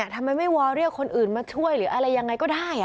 ทำไมไม่วอเรียกคนอื่นมาช่วยหรืออะไรยังไงก็ได้